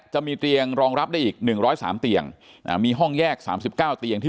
จะมีเตียงรองรับได้อีก๑๐๓เตียงมีห้องแยก๓๙เตียงที่